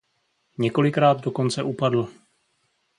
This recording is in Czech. Několikrát dokonce upadl.